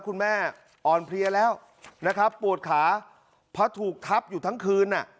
คุณแม่อ่อนเพลียแล้วนะครับปวดขาเพราะถูกทับอยู่ทั้งคืนอ่ะ